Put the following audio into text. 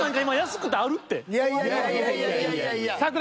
いやいやいやいや。